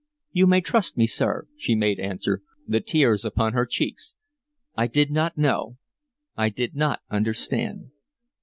"You may trust me, sir," she made answer, the tears upon her cheeks. "I did not know, I did not understand....